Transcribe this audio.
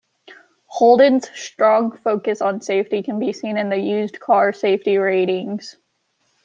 Holden's strong focus on safety can be seen in the Used Car Safety Ratings.